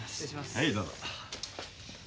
はいどうぞ。